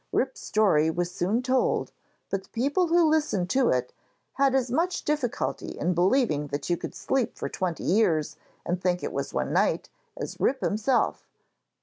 Rip's story was soon told, but the people who listened to it had as much difficulty in believing that you could sleep for twenty years and think it was one night, as Rip himself.